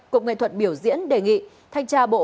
cục nghệ thuật biểu diễn đề nghị thanh tra bộ